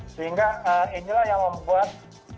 sehingga inilah yang membuat